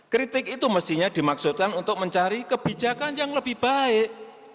kritik itu mestinya dimaksudkan untuk mencari kebijakan yang lebih baik